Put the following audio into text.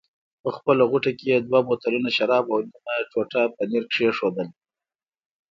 په خپله غوټه کې یې دوه بوتلونه شراب او نیمه ټوټه پنیر کېښوول.